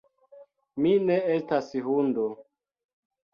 Mi ne estas hundo